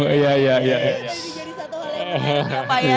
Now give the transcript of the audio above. itu jadi satu hal yang terakhir ya pak ya